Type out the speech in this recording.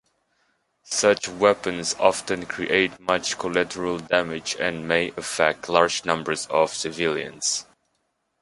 Such weapons often create much collateral damage and may affect large numbers of civilians.